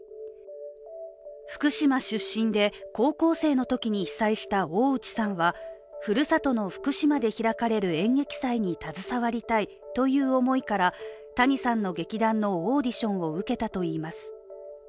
福島出身で、高校生のときに被災した大内さんはふるさとの福島で開かれる演劇祭に携わりたいという思いから谷さんの劇団のオーディションを受けたといいます。